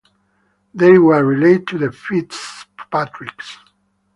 They were related to the Fitzpatricks.